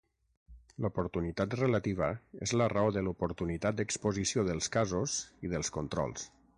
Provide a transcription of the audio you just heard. L'oportunitat relativa és la raó de l'oportunitat d'exposició dels casos i dels controls.